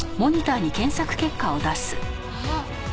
あっ。